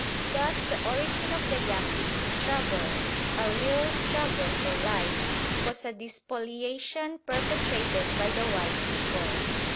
Thus the origin of the Yaquis' struggle a real struggle for life was a despoliation perpetrated by the white people.